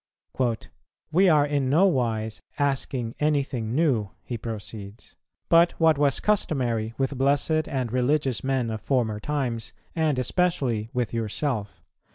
"We are in no wise asking anything new," he proceeds, "but what was customary with blessed and religious men of former times, and especially with yourself.